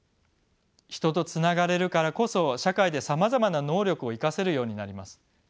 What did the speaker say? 人とつながれるからこそ社会でさまざまな能力を生かせるようになります。